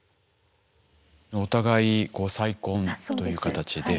お互い再婚という形で。